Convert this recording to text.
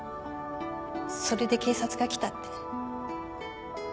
それで警察が来たって